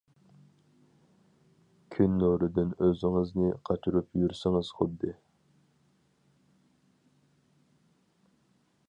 كۈن نۇرىدىن ئۆزىڭىزنى قاچۇرۇپ يۈرسىڭىز خۇددى.